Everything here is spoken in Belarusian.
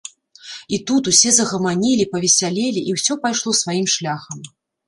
І тут усе загаманілі, павесялелі, і ўсё пайшло сваім шляхам.